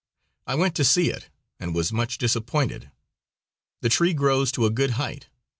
I went to see it, and was much disappointed. The tree grows to a good height.